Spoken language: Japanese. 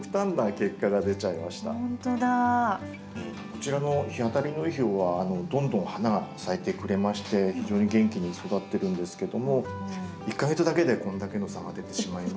こちらの日当たりのいい方はどんどん花が咲いてくれまして非常に元気に育ってるんですけども１か月だけでこんだけの差が出てしまいました。